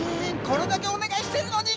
これだけお願いしてるのに！